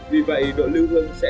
vì vậy độ lưu hương sẽ